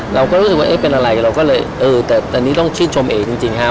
เราก็รู้สึกว่าเอ๊ะเป็นอะไรเราก็เลยเออแต่ตอนนี้ต้องชื่นชมเอกจริงครับ